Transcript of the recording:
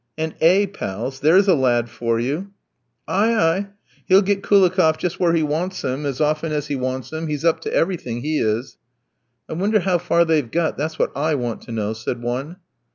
"And A v, pals, there's a lad for you!" "Aye, aye, he'll get Koulikoff just where he wants him, as often as he wants him. He's up to everything, he is." "I wonder how far they've got; that's what I want to know," said one.